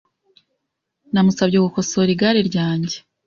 Namusabye gukosora igare ryanjye .